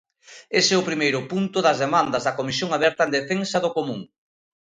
Ese é o primeiro punto das demandas da Comisión Aberta en Defensa do Común.